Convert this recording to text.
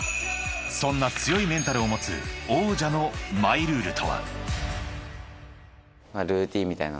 ［そんな強いメンタルを持つ王者のマイルールとは］